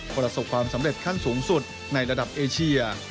ประสบความสำเร็จขั้นสูงสุดในระดับเอเชีย